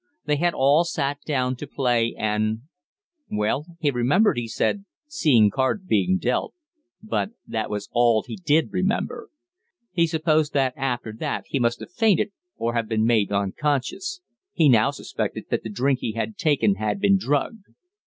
They had all sat down to play, and Well, he remembered, he said, seeing cards being dealt but that was all he did remember. He supposed that after that he must have fainted, or been made unconscious; he now suspected that the drink he had taken had been drugged.